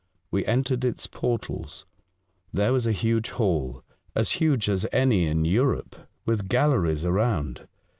We entered its portals. There was a huge hall, as huge as any in Europe, with galleries around.